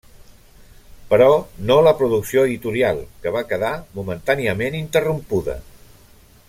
Però no la producció editorial, que va quedar momentàniament interrompuda.